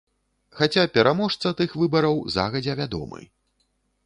Хаця пераможца тых выбараў загадзя вядомы.